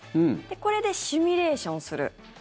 これでシミュレーションをする。